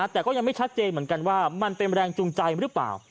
แต่ก็ยังไม่ชัดเจนเหมือนกันว่ามันเป็นแรงจูงใจหรือเปล่า